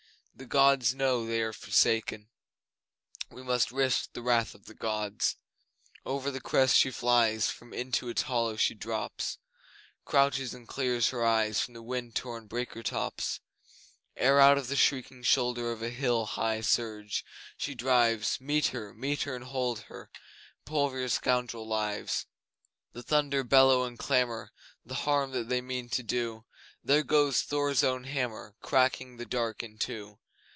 The Gods know they are forsaken, We must risk the wrath of the Gods! Over the crest she flies from, Into its hollow she drops, Crouches and clears her eyes from The wind torn breaker tops, Ere out on the shrieking shoulder Of a hill high surge she drives. Meet her! Meet her and hold her! Pull for your scoundrel lives! The thunder bellow and clamour The harm that they mean to do; There goes Thor's Own Hammer Cracking the dark in two!